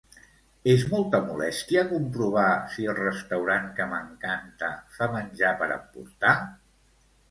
És molta molèstia comprovar si el restaurant que m'encanta fa menjar per emportar?